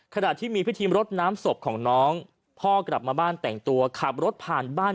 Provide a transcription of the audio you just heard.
ขณะที่มีพิธีรดน้ำศพของน้องพ่อกลับมาบ้านแต่งตัวขับรถผ่านบ้าน